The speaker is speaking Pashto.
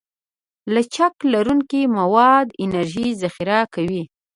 لچک لرونکي مواد انرژي ذخیره کوي.